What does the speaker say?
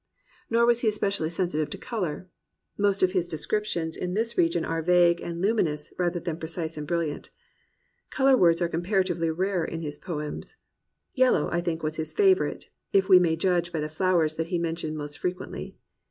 Nor was he especially sensitive to colour. Most of his descriptions in this region are vague and luminous, rather than precise and brilliant. Colour words are comparatively rare in his poems. Yellow, I think, was his favourite, if we may judge by the flowers that he mentioned most frequently.